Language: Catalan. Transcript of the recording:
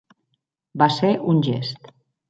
Va ser un gest.